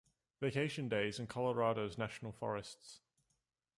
Vacation days in Colorado's national forests.